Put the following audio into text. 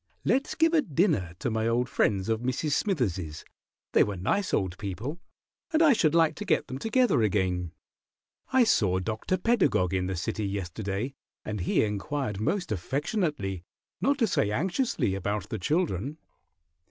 Let's give a dinner to my old friends of Mrs. Smithers's; they were nice old people, and I should like to get them together again. I saw Dr. Pedagog in the city yesterday, and he inquired most affectionately, not to say anxiously, about the children."